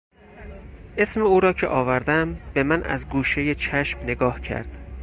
اسم او را که آوردم به من از گوشهی چشم نگاه کرد.